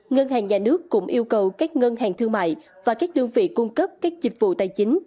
ngân hàng nhà nước cũng yêu cầu các ngân hàng thương mại và các đơn vị cung cấp các dịch vụ tài chính